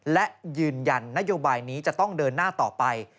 และยืนยันนโยบายนี้จะต้องเดินหน้าต่อไป